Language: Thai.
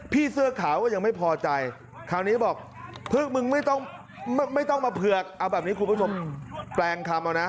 เสื้อขาวก็ยังไม่พอใจคราวนี้บอกมึงไม่ต้องไม่ต้องมาเผือกเอาแบบนี้คุณผู้ชมแปลงคำเอานะ